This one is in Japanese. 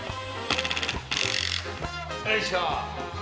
よいしょ！